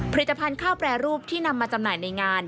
ผลิตภัณฑ์ข้าวแปรรูปที่นำมาจำหน่ายในงาน